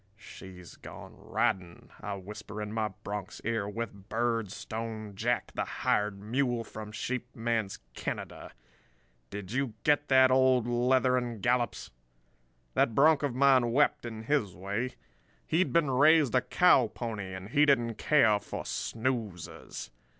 "'She's gone riding,' I whisper in my bronc's ear, 'with Birdstone Jack, the hired mule from Sheep Man's Canada. Did you get that, old Leather and Gallops?' "That bronc of mine wept, in his way. He'd been raised a cow pony and he didn't care for snoozers.